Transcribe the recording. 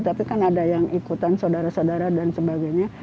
tapi kan ada yang ikutan saudara saudara dan sebagainya